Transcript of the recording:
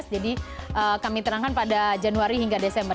jadi kami terangkan pada januari hingga desember